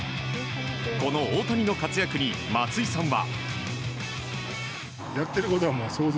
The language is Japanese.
この大谷の活躍に松井さんは。